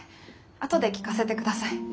あとで聞かせてください。